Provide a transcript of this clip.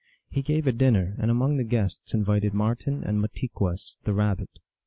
He gave a dinner, and among the guests invited Marten and Mahtigwess, the Rabbit.